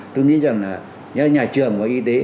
tôi nghĩ rằng là nhà trường và y tế